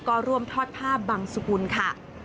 ก็ร่วมทอดภาพบังสุกุลค่ะ